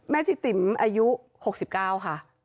แม่ชีติ๋มอายุ๖๙ค่ะ